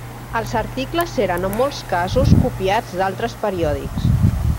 Els articles eren en molts casos, copiats d'altres periòdics.